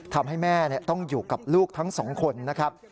ทำให้แม่ต้องอยู่กับลูกทั้งสองคนนะครับ